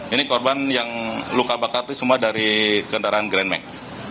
ini korban yang luka bakar itu semua dari kendaraan grandmack